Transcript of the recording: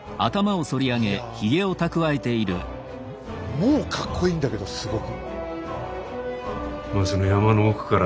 もうかっこいいんだけどすごく。